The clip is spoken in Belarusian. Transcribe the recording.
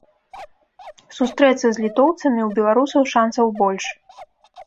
Сустрэцца з літоўцамі ў беларусаў шанцаў больш.